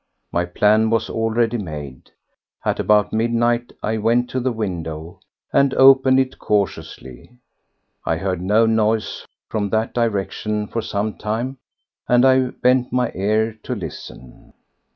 My plan was already made. At about midnight I went to the window and opened it cautiously. I had heard no noise from that direction for some time, and I bent my ear to listen.